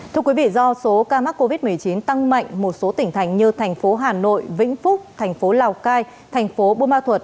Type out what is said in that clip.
thưa quý vị do số ca mắc covid một mươi chín tăng mạnh một số tỉnh thành như thành phố hà nội vĩnh phúc thành phố lào cai thành phố bô ma thuật